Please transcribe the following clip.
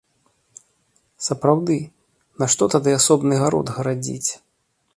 Сапраўды, нашто тады асобны гарод гарадзіць?